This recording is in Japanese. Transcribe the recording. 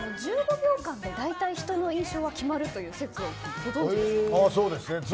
１５秒間で大体、人の印象が決まるという説をご存じですか。